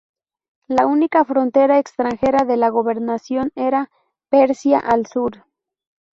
La única frontera extranjera de la gobernación era Persia, al sur.